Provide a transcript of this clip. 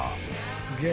すげえ。